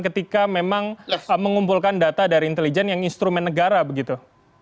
ketika memang mengumpulkan data dari intelijen yang instrumen negara begitu